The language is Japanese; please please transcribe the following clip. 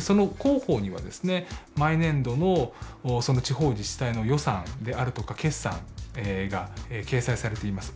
その広報にはですね毎年度の地方自治体の予算であるとか決算が掲載されています。